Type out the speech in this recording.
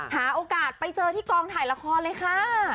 หาโอกาสไปเจอที่กองถ่ายละครเลยค่ะ